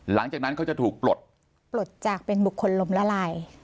หลังจากนั้นเขาจะถูกปลดปลดจากเป็นบุคคลลมละลาย